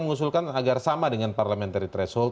mengusulkan agar sama dengan parliamentary threshold